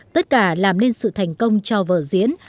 tất cả làm nên sự thành công cho vở diễn